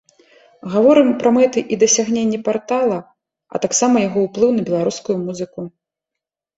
Гаворым пра мэты і дасягненні партала, а таксама яго ўплыў на беларускую музыку.